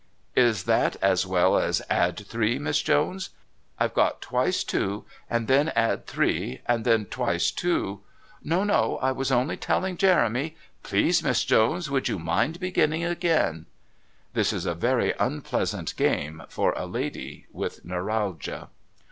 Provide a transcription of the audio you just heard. "Is that as well as 'add three,' Miss Jones? I've got twice two, and then add three, and then twice two " "No, no. I was only telling Jeremy " "Please, Miss Jones, would you mind beginning again " This is a very unpleasant game for a lady with neuralgia.